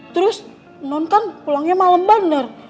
terus non kan pulangnya malem bener